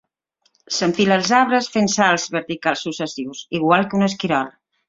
S'enfila als arbres fent salts verticals successius, igual que un esquirol.